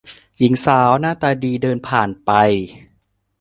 หญิงสาวหน้าตาดีเดินผ่านไป